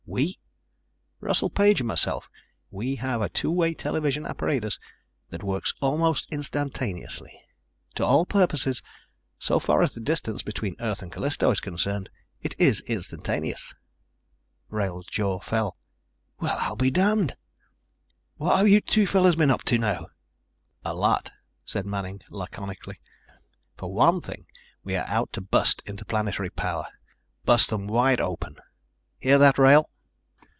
"We?" "Russell Page and myself. We have a two way television apparatus that works almost instantaneously. To all purposes, so far as the distance between Earth and Callisto is concerned, it is instantaneous." Wrail's jaw fell. "Well, I be damned. What have you two fellows been up to now?" "A lot," said Manning laconically. "For one thing we are out to bust Interplanetary Power. Bust them wide open. Hear that, Wrail?"